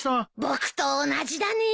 僕と同じだね。